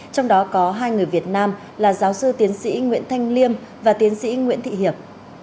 trong đó có hai người việt nam là giáo sư tiến sĩ nguyễn thanh liêm và tiến sĩ nguyễn thị hiệp